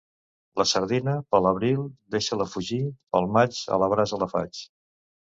La sardina, per l'abril, deixa-la fugir; pel maig, a la brasa la faig.